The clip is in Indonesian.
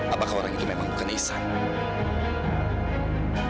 apakah orang itu memang bukan isan